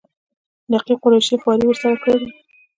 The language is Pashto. نقیب قریشي خواري ورسره کړې ده.